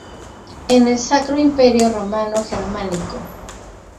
En el Sacro Imperio Romano Germánico.